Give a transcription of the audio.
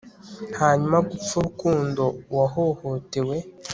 hanyuma, gupfa urukundo, uwahohotewe